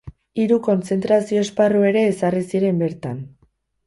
Hiru kontzentrazio-esparru ere ezarri ziren bertan.